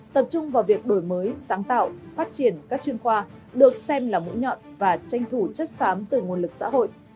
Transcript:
tập trung vào việc đổi mới sáng tạo phát triển các chuyên khoa được xem là mũi nhọn và tranh thủ chất xám từ nguồn lực xã hội